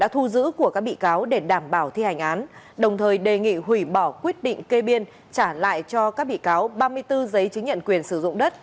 thu giữ của các bị cáo để đảm bảo thi hành án đồng thời đề nghị hủy bỏ quyết định kê biên trả lại cho các bị cáo ba mươi bốn giấy chứng nhận quyền sử dụng đất